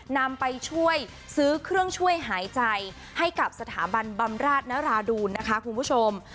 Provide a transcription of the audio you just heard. นำไปช่วยซื้อเครื่องช่วยหายใจให้กับสถาบันบำราชนราดูนนะคะคุณผู้ชม